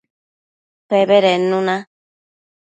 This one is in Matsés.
Pebedednu na